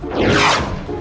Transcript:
gajahnya gede banget